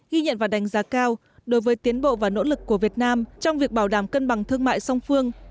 ghi nhận và đánh giá cao đối với tiến bộ và nỗ lực của việt nam trong việc bảo đảm cân bằng thương mại song phương